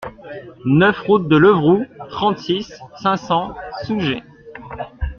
neuf route de Levroux, trente-six, cinq cents, Sougé